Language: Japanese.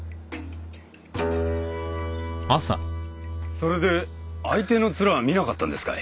それで相手の面は見なかったんですかい？